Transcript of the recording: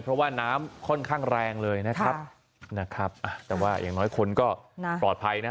เพราะว่าน้ำค่อนข้างแรงเลยนะครับนะครับแต่ว่าอย่างน้อยคนก็ปลอดภัยนะ